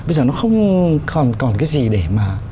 bây giờ nó không còn cái gì để mà